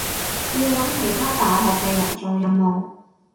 要搵其他大學嘅人做任務